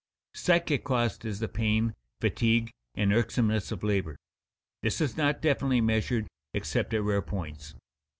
Psychic cost is the pain, fatigue, irksomeness of labor. This is not definitely measured except at rare points.